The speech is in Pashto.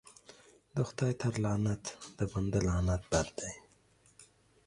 د خداى تر لعنت د بنده لعنت بد دى.